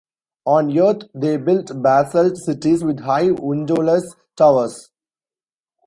On Earth, they built basalt cities with high windowless towers.